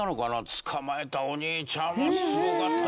つかまえたお兄ちゃんはすごかったね。